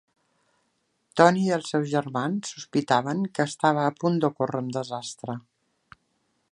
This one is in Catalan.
Tony i els seus germans sospitaven que estava a punt d'ocórrer un desastre.